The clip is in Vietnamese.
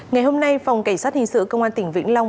ngày hôm nay phòng cảnh sát hình sự công an tỉnh vĩnh long